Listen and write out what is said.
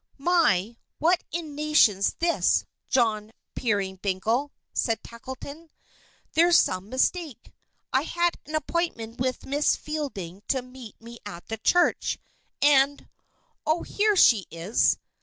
"My, what in nation's this, John Peerybingle!" said Tackleton. "There's some mistake. I had an appointment with Miss Fielding to meet me at the church, and oh, here she is!"